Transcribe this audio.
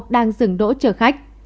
đang dừng đỗ chở khách